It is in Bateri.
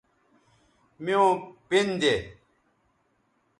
میوں پِن دے